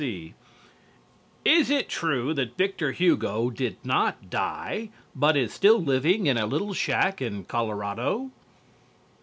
K.C. Is it true that Victor Hugo did not die but is still living in a little shack in Colorado?